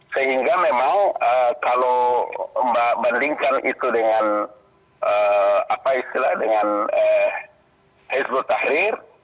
sehingga memang kalau membandingkan itu dengan hezbollah tahrir